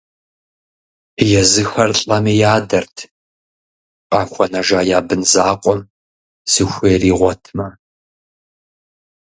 Езыхэр лӀэми ядэрт, къахуэнэжа я бын закъуэм зыхуейр игъуэтмэ.